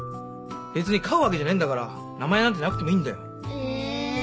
別に飼うわけじゃねえんだから名前なんてなくてもいいんだよ。え。